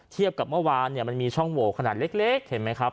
เทียบกับเมื่อวานมันมีช่องโหวขนาดเล็กเห็นไหมครับ